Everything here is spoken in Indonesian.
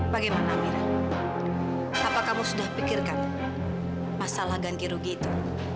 bagaimana mira apa kamu sudah pikirkan masalah ganti rugi itu